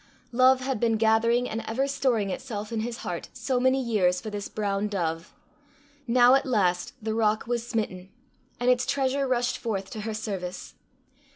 Love had been gathering and ever storing itself in his heart so many years for this brown dove! now at last the rock was smitten, and its treasure rushed forth to her service.